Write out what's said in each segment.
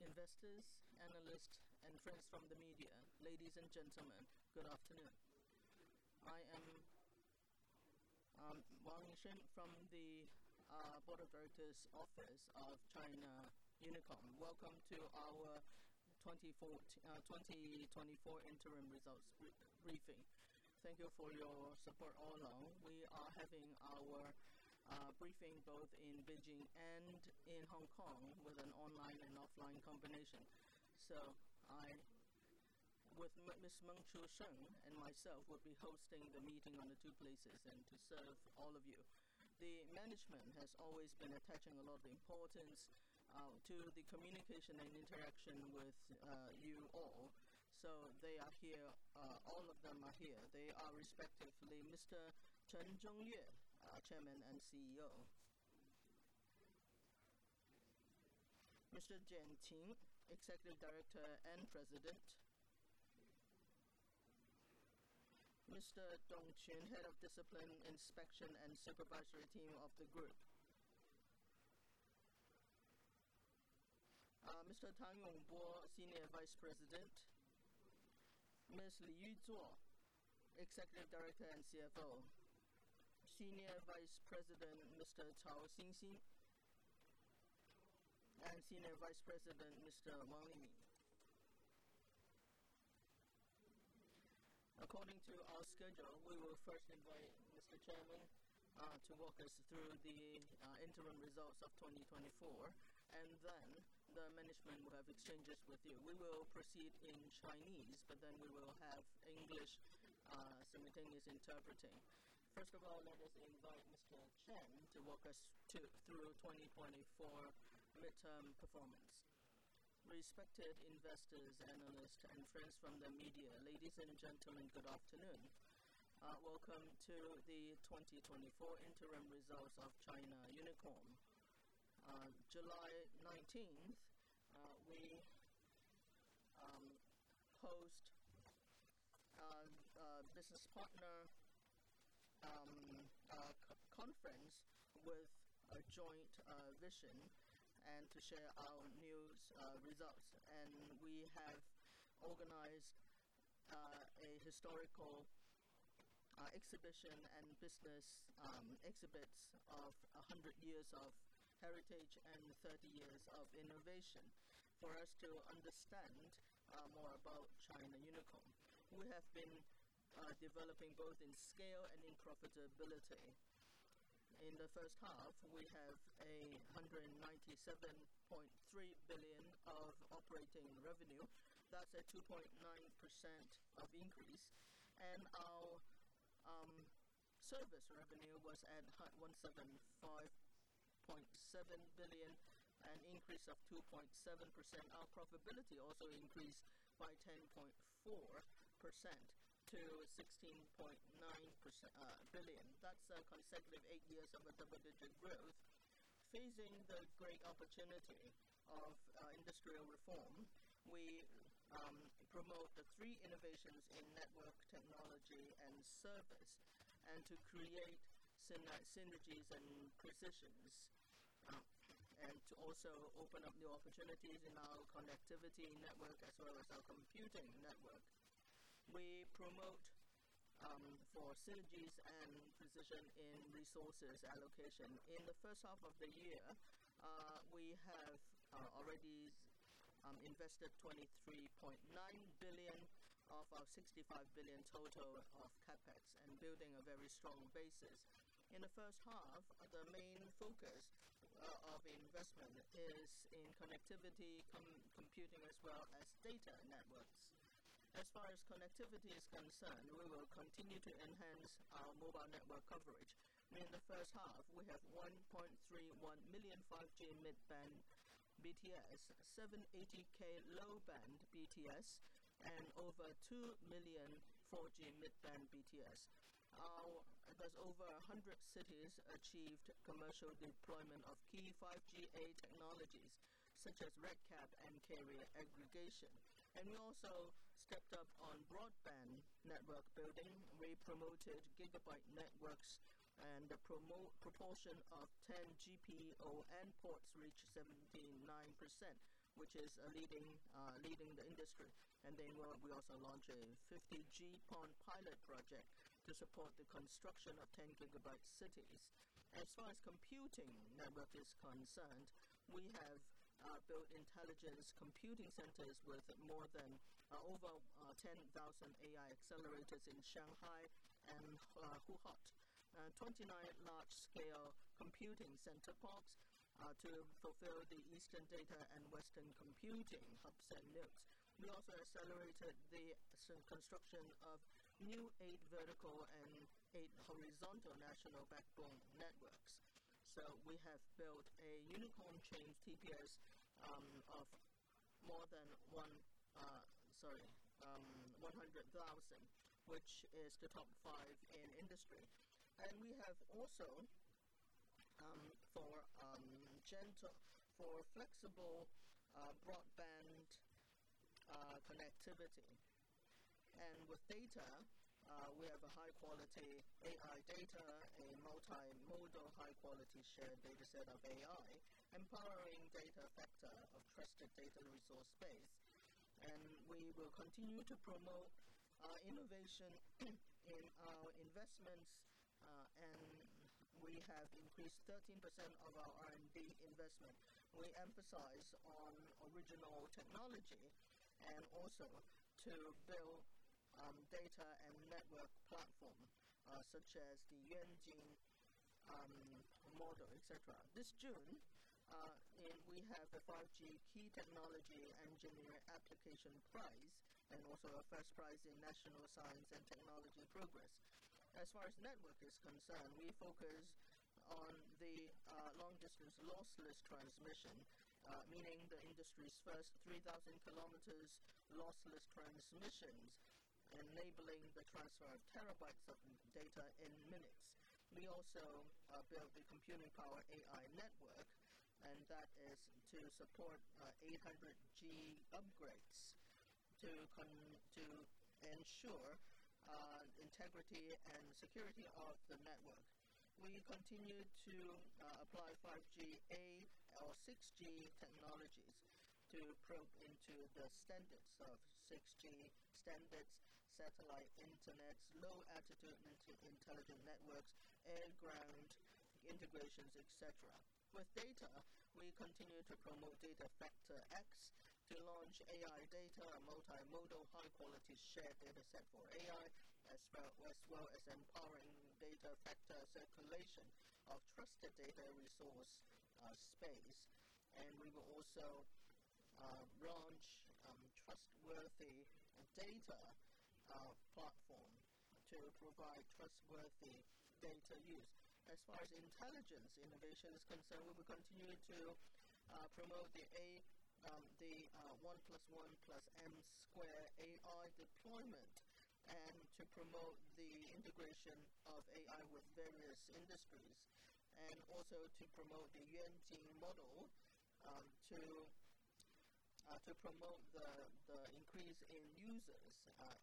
...Respected investors, analysts, and friends from the media, ladies and gentlemen, good afternoon. I am Wang Lingsheng from the Board of Directors Office of China Unicom. Welcome to our 2024 interim results briefing. Thank you for your support all along. We are having our briefing both in Beijing and in Hong Kong, with an online and offline combination. So I, with Ms. Meng Shusen and myself, will be hosting the meeting in the two places and to serve all of you. The management has always been attaching a lot of importance to the communication and interaction with you all. So they are here, all of them are here. They are respectively Mr. Chen Zhongyue, our Chairman and CEO; Mr. Jian Qin, Executive Director and President; Mr. Dong Qun, Head of Discipline Inspection and Supervisory Team of the Group; Mr. Tang Yongbo, Senior Vice President; Ms. Li Yuzhuo, Executive Director and CFO; Senior Vice President, Mr. Cao Xinxin; and Senior Vice President, Mr. Wang Limin. According to our schedule, we will first invite Mr. Chairman to walk us through the interim results of 2024, and then the management will have exchanges with you. We will proceed in Chinese, but then we will have English simultaneous interpreting. First of all, let us invite Mr. Chen to walk us through 2024 interim performance. Respected investors, analysts, and friends from the media, ladies and gentlemen, good afternoon. Welcome to the 2024 interim results of China Unicom. On July 19, we hosted a business partner conference with a joint vision and to share our new results. We have organized a historical exhibition and business exhibits of 100 years of heritage and 30 years of innovation for us to understand more about China Unicom. We have been developing both in scale and in profitability. In the first half, we have 197.3 billion of operating revenue. That's a 2.9% increase, and our service revenue was at 175.7 billion, an increase of 2.7%. Our profitability also increased by 10.4% to CNY 16.9 billion. That's a consecutive 8 years of double-digit growth. Facing the great opportunity of industrial reform, we promote the three innovations in network technology and service, and to create synergies and positions, and to also open up new opportunities in our connectivity network as well as our computing network. We promote for synergies and precision in resources allocation. In the first half of the year, we have already invested 23.9 billion of our 65 billion total of CapEx and building a very strong basis. In the first half, the main focus of investment is in connectivity, computing, as well as data networks. As far as connectivity is concerned, we will continue to enhance our mobile network coverage. In the first half, we have 1.31 million 5G mid-band BTS, 780K low-band BTS, and over 2 million 4G mid-band BTS. There's over 100 cities achieved commercial deployment of key 5G-A technologies, such as RedCap and carrier aggregation. We also stepped up on broadband network building. We promoted gigabit networks, and the proportion of 10G PON ports reached 79%, which is leading the industry. We also launched a 50G PON pilot project to support the construction of 10-gigabit cities. As far as computing network is concerned, we have built intelligence computing centers with over 10,000 AI accelerators in Shanghai and Huhhot, and 29 large-scale computing center parks to fulfill the Eastern Data and Western Computing hubs and nodes. We also accelerated the construction of new 8 vertical and 8 horizontal national backbone networks. So we have built a Unicom Chain TPS of more than 100,000, which is the top five in industry. And we have also for gen to for flexible activity. And with data, we have a high-quality AI data, a multi-modal, high-quality shared data set of AI, empowering data factor of trusted data resource space. And we will continue to promote innovation in our investments, and we have increased 13% of our R&D investment. We emphasize on original technology and also to build data and network platform, such as the Yuanjing model, et cetera. This June, we have a 5G key technology engineer application prize, and also a first prize in national science and technology progress. As far as network is concerned, we focus on the long-distance lossless transmission, meaning the industry's first 3,000 kilometers lossless transmissions, enabling the transfer of terabytes of data in minutes. We also build the computing power AI network, and that is to support 800G upgrades to ensure integrity and security of the network. We continue to apply 5G, 8G or 6G technologies to probe into the standards of 6G standards, satellite internet, low-altitude intelligent networks, air-ground integrations, et cetera. With data, we continue to promote Data Factor X, to launch AI data, a multimodal, high-quality shared data set for AI, as well as empowering data factor circulation of trusted data resource space. And we will also launch trustworthy data platform to provide trustworthy data use. As far as intelligence innovation is concerned, we will continue to promote the 1+1+M AI deployment, and to promote the integration of AI with various industries, and also to promote the Yuanjing model, to promote the increase in users,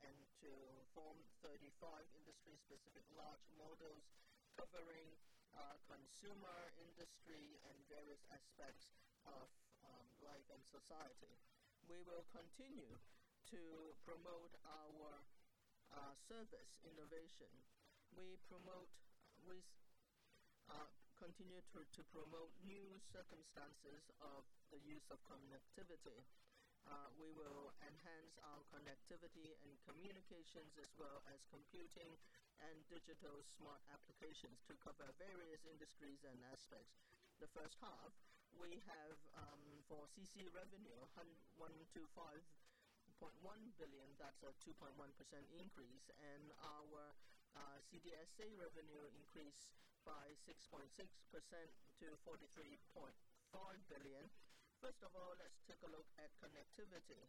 and to form 35 industry-specific large models covering, consumer, industry, and various aspects of, life and society. We will continue to promote our service innovation. We continue to promote new circumstances of the use of connectivity. We will enhance our connectivity and communications, as well as computing and digital smart applications to cover various industries and aspects. The first half, we have for CC revenue, 105.1 billion, that's a 2.1% increase, and our CDSA revenue increased by 6.6% to 43.5 billion. First of all, let's take a look at connectivity.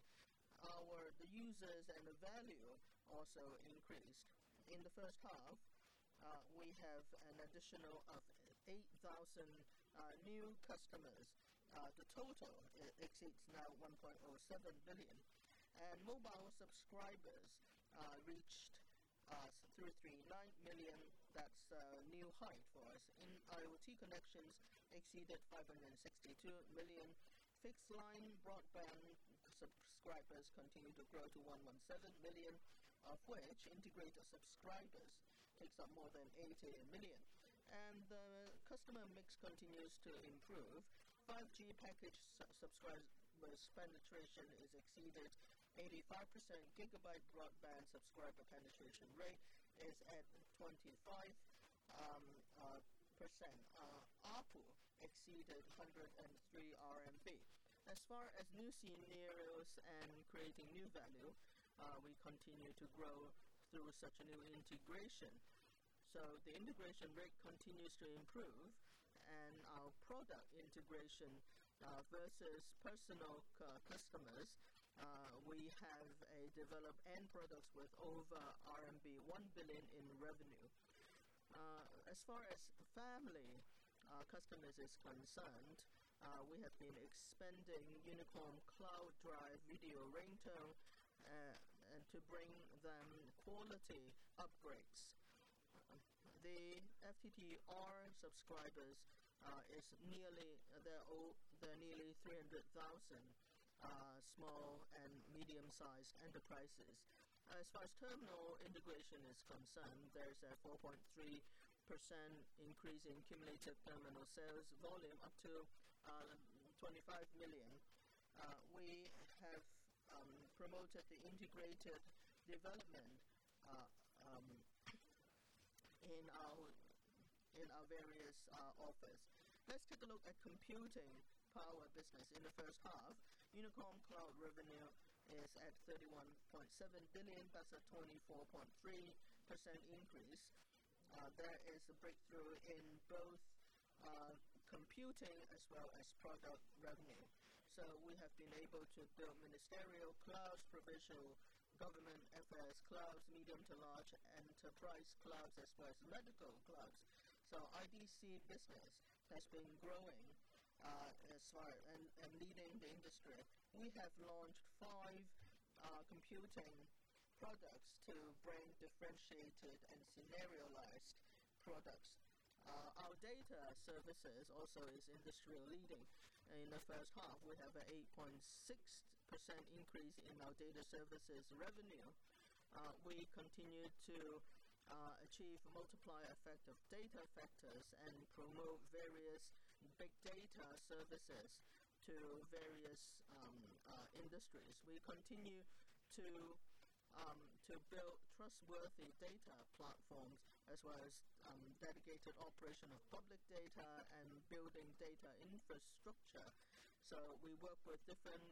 Our users and the value also increased. In the first half, we have an additional 8,000 new customers. The total, it exceeds now 1.07 billion, and mobile subscribers reached 339 million. That's a new height for us. In IoT, connections exceeded 562 million. Fixed-line broadband subscribers continue to grow to 117 million, of which integrator subscribers takes up more than 80 million. And the customer mix continues to improve. 5G package subscribers penetration is exceeded 85%. Gigabit broadband subscriber penetration rate is at 25%. ARPU exceeded CNY 103. As far as new scenarios and creating new value, we continue to grow through such a new integration. So the integration rate continues to improve, and our product integration versus personal customers, we have a developed end products with over 1 billion in revenue. As far as family customers is concerned, we have been expanding Unicom Cloud Drive video ringtone to bring them quality upgrades. The FTTR subscribers is nearly 300,000 small and medium-sized enterprises. As far as terminal integration is concerned, there's a 4.3% increase in cumulative terminal sales volume up to 25 million. We have promoted the integrated development in our various office. Let's take a look at computing power business. In the first half, Unicom Cloud revenue is at 31.7 billion, that's a 24.3% increase. There is a breakthrough in both computing as well as product revenue. So we have been able to build ministerial cloud, provincial clouds, medium to large enterprise clouds, as well as medical clouds. So IDC business has been growing as far and leading the industry. We have launched 5 computing products to bring differentiated and scenario-ized products. Our data services also is industry-leading. In the first half, we have a 8.6% increase in our data services revenue. We continued to achieve multiplier effect of data factors and promote various big data services to various industries. We continue to build trustworthy data platforms, as well as dedicated operation of public data and building data infrastructure. So we work with different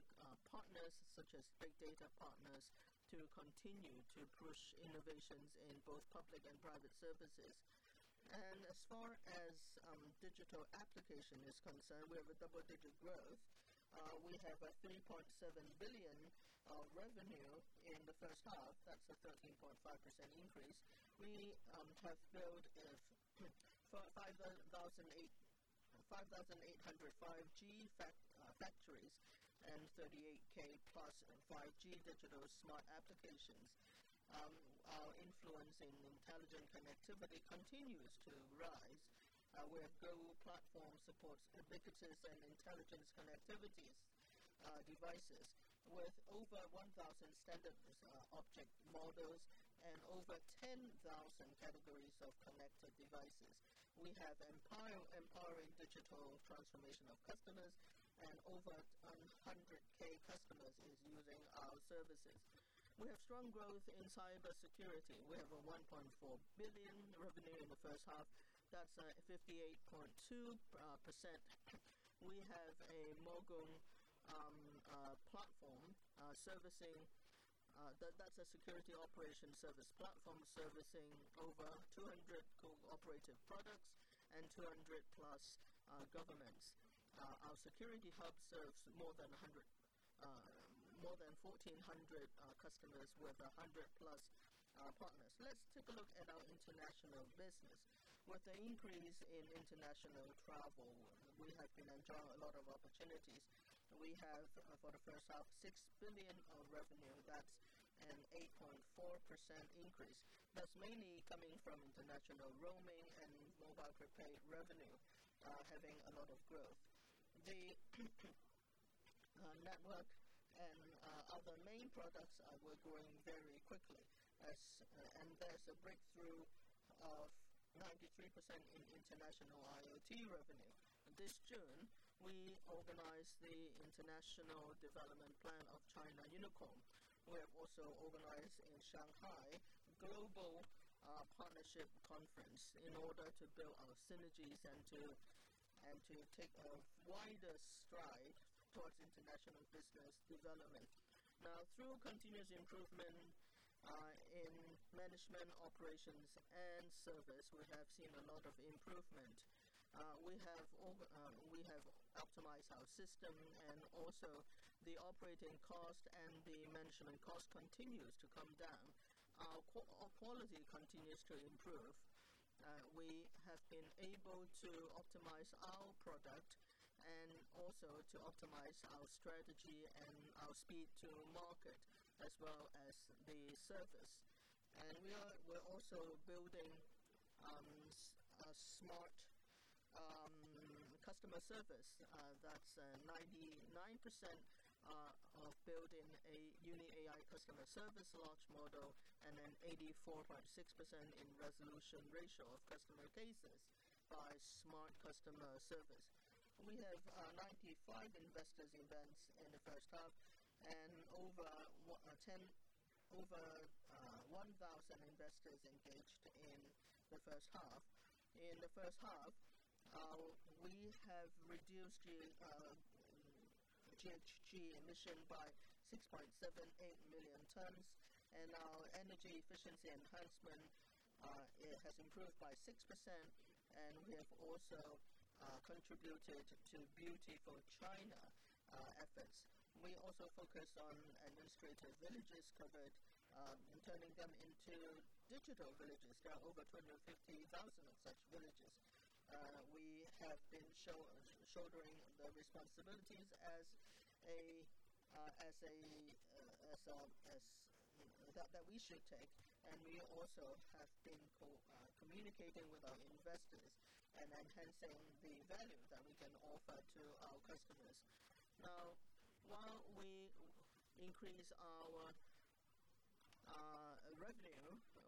partners, such as big data partners, to continue to push innovations in both public and private services. And as far as digital application is concerned, we have a double-digit growth. We have 3.7 billion of revenue in the first half. That's a 13.5% increase. We have built 5,800 5G factories and 38K plus 5G digital smart applications. Our influence in intelligent connectivity continues to rise, where Gewu platform supports ubiquitous and intelligent connectivities, devices with over 1,000 standard object models and over 10,000 categories of connected devices. We have empowering digital transformation of customers, and over one hundred k customers is using our services. We have strong growth in cybersecurity. We have 1.4 billion revenue in the first half. That's 58.2%. We have a Mogong platform servicing. That's a security operation service platform, servicing over 200 cooperative products and 200 plus governments. Our security hub serves more than 1,400 customers with 100 plus partners. Let's take a look at our international business. With the increase in international travel, we have been enjoying a lot of opportunities. We have, for the first half, 6 billion of revenue. That's an 8.4% increase. That's mainly coming from international roaming and mobile prepaid revenue, having a lot of growth. The network and other main products were growing very quickly, and there's a breakthrough of 93% in international IoT revenue. This June, we organized the International Development Plan of China Unicom. We have also organized in Shanghai Global Partnership Conference in order to build our synergies and to take a wider stride towards international business development. Now, through continuous improvement in management, operations, and service, we have seen a lot of improvement. We have over... We have optimized our system and also the operating cost and the management cost continues to come down. Our quality continues to improve. We have been able to optimize our product and also to optimize our strategy and our speed to market, as well as the service. And we're also building a smart customer service that's 99% of building a UniAI customer service large model and an 84.6% in resolution ratio of customer cases by smart customer service. We have 95 investor events in the first half and over one thousand investors engaged in the first half. In the first half, we have reduced the GHG emission by 6.78 million tons, and our energy efficiency enhancement it has improved by 6%, and we have also contributed to Beautiful China efforts. We also focus on administrative villages covered and turning them into digital villages. There are over 20,000-50,000 of such villages. We have been shouldering the responsibilities as a that we should take, and we also have been communicating with our investors and enhancing the value that we can offer to our customers. Now, while we increase our revenue,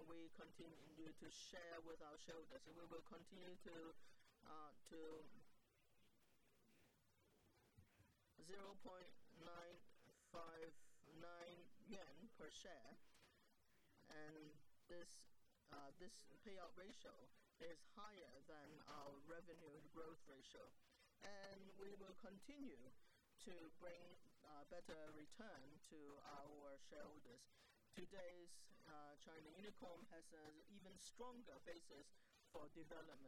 we continue to share with our shareholders, and we will continue to 0.959 CNY per share, and this payout ratio is higher than our revenue growth ratio. We will continue to bring better return to our shareholders. Today's China Unicom has an even stronger basis for development.